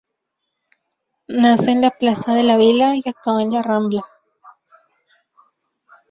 Nace en la plaza de la Vila y acaba en la Rambla.